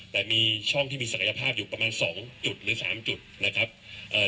แต่มีช่องที่มีศักยภาพอยู่ประมาณสองจุดหรือสามจุดนะครับเอ่อ